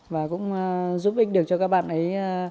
và cũng giúp ích được cho các bạn ấy